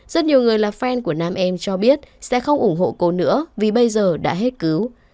rất nhiều người là fen của nam em cho biết sẽ không ủng hộ cô nữa vì bây giờ đã hết cứu